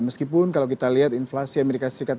meskipun kalau kita lihat inflasi amerika serikat